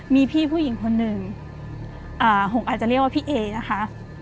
มีพี่ผู้หญิงคนหนึ่งผมอาจจะเรียกว่าพี่เอนะคะ